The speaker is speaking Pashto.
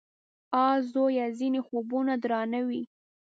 _اه ! زويه! ځينې خوبونه درانه وي.